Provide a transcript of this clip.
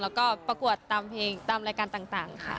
แล้วก็ประกวดตามเพลงตามรายการต่างค่ะ